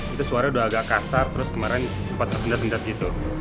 itu suaranya udah agak kasar terus kemarin sempat tersendat sendat gitu